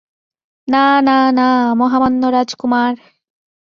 না, না, না, মহামান্য রাজকুমার।